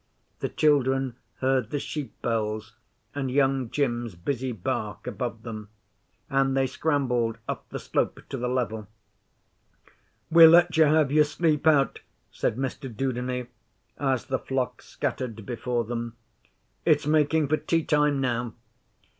The children heard the sheep bells and Young jim's busy bark above them, and they scrambled up the slope to the level. 'We let you have your sleep out,' said Mr Dudeney, as the flock scattered before them. 'It's making for tea time now.